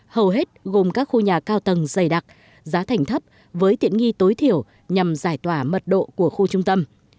hầu hết gồm các khu nhà cao tầng dày đặc giá thành thấp với tiện nghi tối thiểu nhằm giải tỏa mật độ của khu trung tâm